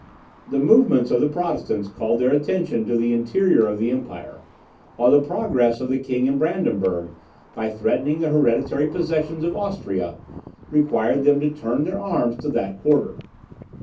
The movements of the Protestants called their attention to the interior of the empire, while the progress of the king in Brandenburg, by threatening the hereditary possessions of Austria, required them to turn their arms to that quarter.